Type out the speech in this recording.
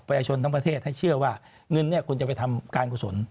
ชนทั้งประเทศให้เชื่อว่าเงินเนี่ยคุณจะไปทำการกุศล